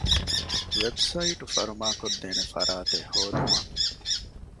ވެބްސައިޓު ފަރުމާކޮށްދޭނެ ފަރާތެއް ހޯދުމަށް